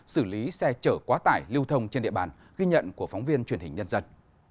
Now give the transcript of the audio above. xử lý xe chở quá tải lưu thông trên địa bàn ghi nhận của phóng viên truyền hình nhân dân